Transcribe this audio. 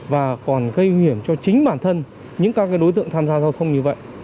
và còn gây nguy hiểm cho chính bản thân những các đối tượng tham gia giao thông như vậy